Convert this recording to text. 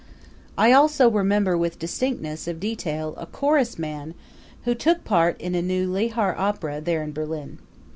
I also remember with distinctness of detail a chorusman who took part in a new Lehar opera, there in Berlin.